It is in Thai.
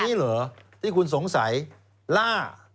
นี่เหรอที่คุณสงสัยล่า